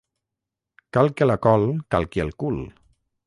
Cal que la col calqui el cul.